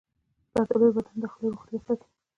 زردآلو د بدن داخلي روغتیا ساتي.